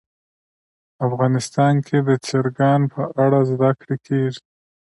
افغانستان کې د چرګان په اړه زده کړه کېږي.